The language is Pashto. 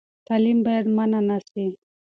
تعلیم باید منع نه سي.